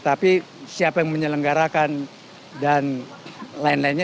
tapi siapa yang menyelenggarakan dan lain lainnya